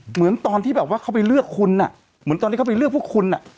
เหมือนตอนที่แบบว่าเขาไปเลือกคุณอ่ะเหมือนตอนที่เขาไปเลือกพวกคุณอ่ะ